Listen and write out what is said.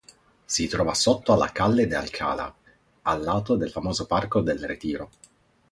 Si trova sotto alla Calle de Alcalá, al lato del famoso parco del Retiro.